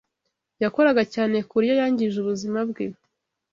Yakoraga cyane ku buryo yangije ubuzima bwe.